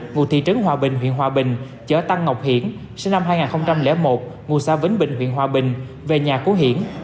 ngụ thị trấn hòa bình huyện hòa bình chở tăng ngọc hiển sinh năm hai nghìn một ngụ xã vĩnh bình huyện hòa bình về nhà của hiển